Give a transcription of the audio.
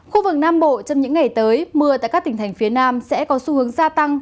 khu vực nam bộ trong những ngày tới mưa tại các tỉnh thành phía nam sẽ có xu hướng gia tăng